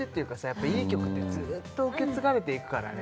やっぱいい曲ってずっと受け継がれていくからね